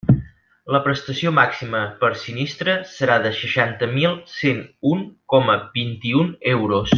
La prestació màxima per sinistre serà de seixanta mil cent un coma vint-i-un euros.